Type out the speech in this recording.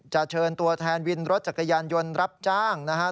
เชิญตัวแทนวินรถจักรยานยนต์รับจ้างนะครับ